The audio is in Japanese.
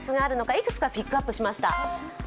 いくつかピックアップしました。